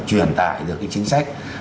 giải được cái chính sách